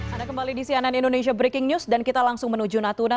anda kembali di cnn indonesia breaking news dan kita langsung menuju natuna